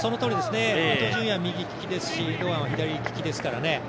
伊東純也は右利きですし、堂安は左利きですからね。